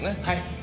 はい。